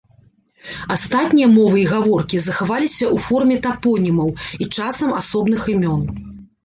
Астатнія мовы і гаворкі захаваліся ў форме тапонімаў і часам асобных імён.